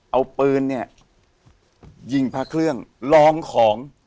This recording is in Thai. เอาปืนเนี่ยยิงพระเครื่องลองของ